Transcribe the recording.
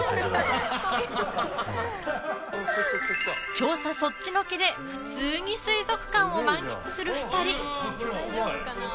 調査そっちのけで普通に水族館を満喫する２人。